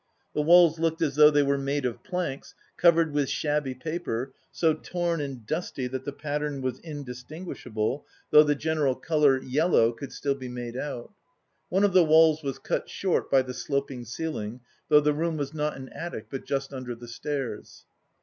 The walls looked as though they were made of planks, covered with shabby paper, so torn and dusty that the pattern was indistinguishable, though the general colour yellow could still be made out. One of the walls was cut short by the sloping ceiling, though the room was not an attic but just under the stairs.